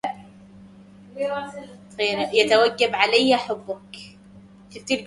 يتوجب عليه حُبك